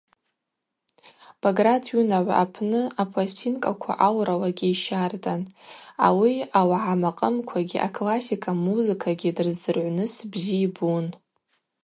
Баграт йунагӏва апны апластинкаква ауралагьи йщардан, ауи ауагӏа макъымквагьи аклассика музыкагьи дрыздзыргӏвырныс бзи йбун.